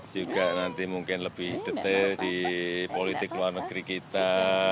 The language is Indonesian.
juga nanti mungkin lebih detail di politik luar negeri kita